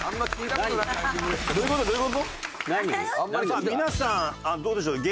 さあ皆さんどうでしょう？